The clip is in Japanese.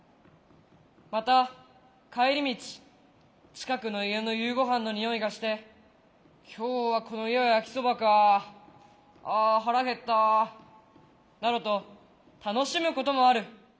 また帰り道近くの家の夕ごはんの匂いがして「今日はこの家は焼きそばかあ。ああ腹減った」などと楽しむこともある。